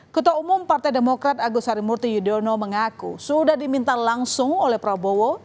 ketua umum partai demokrat agus harimurti yudhoyono mengaku sudah diminta langsung oleh prabowo